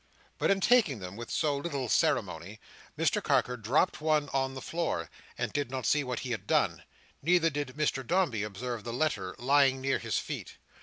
But in taking them with so little ceremony, Mr Carker dropped one on the floor, and did not see what he had done; neither did Mr Dombey observe the letter lying near his feet.